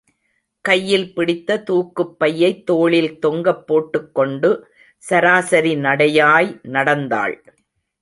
கையில் பிடித்த தூக்குப் பையைத் தோளில் தொங்கப்போட்டுக் கொண்டு, சராசரி நடையாய் நடந்தாள்.